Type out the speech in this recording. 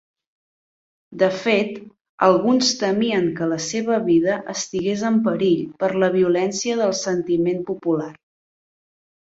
De fet, alguns temien que la seva vida estigués en perill per la violència del sentiment popular.